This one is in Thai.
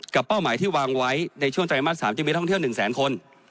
เป้าหมายที่วางไว้ในช่วงไตรมาส๓จึงมีท่องเที่ยว๑แสนคน